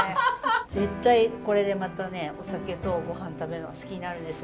絶対これでまたねお酒とごはん食べるのが好きになるんですよ